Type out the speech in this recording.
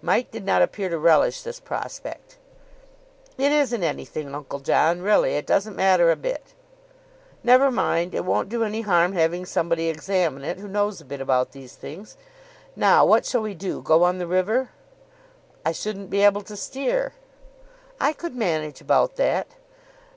Mike did not appear to relish this prospect. "It isn't anything, Uncle John, really. It doesn't matter a bit." "Never mind. It won't do any harm having somebody examine it who knows a bit about these things. Now, what shall we do. Go on the river?" "I shouldn't be able to steer." "I could manage about that.